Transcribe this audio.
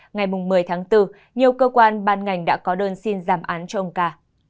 ngày một mươi tháng bốn nhiều cơ quan ban ngành đã có đơn xin giảm án cho ông ca